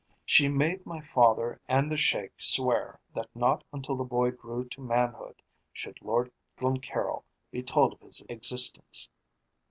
She made my father and the Sheik swear that not until the boy grew to manhood should Lord Glencaryll be told of his existence.